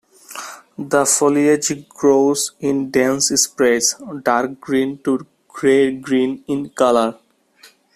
The foliage grows in dense sprays, dark green to gray-green in color.